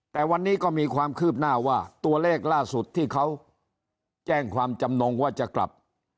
แต่วันนี้ก็มีความคืบหน้าว่าตัวเลขล่าสุดที่เขาแจ้งความจำนงว่าจะกลับ